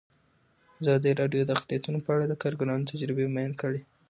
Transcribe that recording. ازادي راډیو د اقلیتونه په اړه د کارګرانو تجربې بیان کړي.